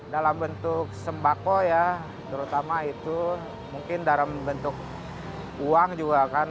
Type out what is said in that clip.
dalam bentuk sembako ya terutama itu mungkin dalam bentuk uang juga kan